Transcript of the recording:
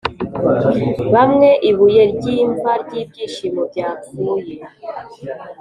bamwe ibuye ryimva ryibyishimo byapfuye,